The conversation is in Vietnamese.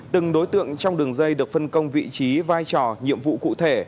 từng đối tượng trong đường dây được phân công vị trí vai trò nhiệm vụ cụ thể